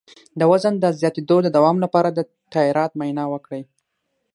د وزن د زیاتیدو د دوام لپاره د تایرايډ معاینه وکړئ